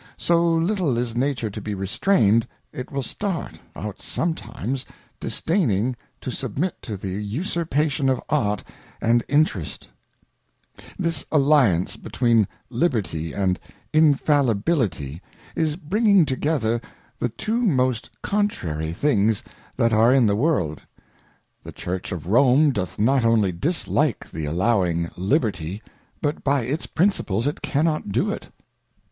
So little is Nature to be restrained ; it will start out sometimes, disdaining to submit to the Usurpation of Art and Interest. This Alliance, between Liberty and Infallibility, An bringing HALIFAX K together I30 A Letter to a Dissenter. together the Two most contrary things that are in the World. The Church of Rome doth not only dislike Jhe ?J;]2^j[^gLiberty, but by its Principles it cannot do it.